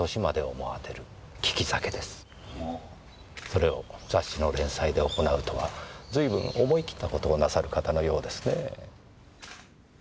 それを雑誌の連載で行うとは随分思い切った事をなさる方のようですねぇ。